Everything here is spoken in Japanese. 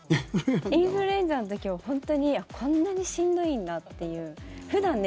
インフルエンザの時は本当にこんなにしんどいんだっていう。